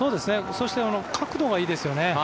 そして角度がいいですよね。